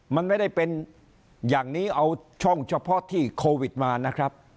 มันไม่ได้เป็นอย่างนี้เอาช่องเฉพาะที่โควิดมานะครับ